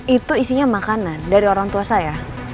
itu isinya makanan dari orang tua saya